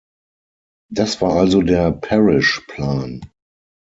Das war also der Parish-Plan.